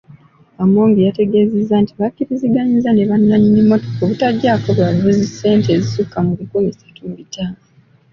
Amongi yategeezezza nti bakkiriziganyizza ne bannanyini mmotoka obutaggyaako bavuzi ssente ezisukka mu nkumi ssatu mu bitaano.